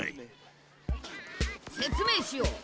説明しよう。